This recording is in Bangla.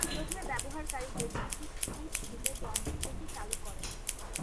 প্রথমে ব্যবহারকারী বৈদ্যুতিক সুইচ টিপে যন্ত্রটি চালু করেন।